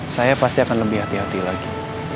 saya pasti akan lebih hati hati lagi